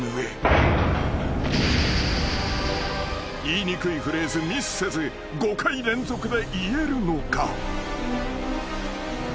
［言いにくいフレーズミスせず５回連続で言えるのか？］